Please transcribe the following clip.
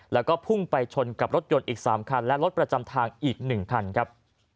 แล้วก็พุ่งไปชนกับรถยนต์อีก๓คันและรถประจำทางอีก๑คันครับ